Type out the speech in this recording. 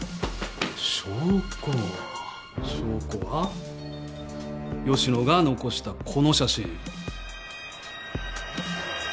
証拠は吉野が残したこの写真。